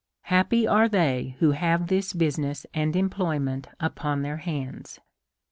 Happy are tliey who have this business and employ ment upon their hands !